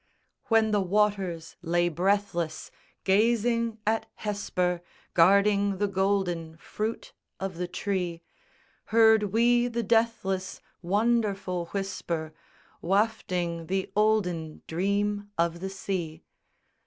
When the waters lay breathless Gazing at Hesper Guarding the golden Fruit of the tree, Heard we the deathless Wonderful whisper Wafting the olden Dream of the sea.